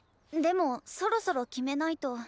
でもそろそろ決めないと。